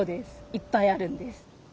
いっぱいあるんです。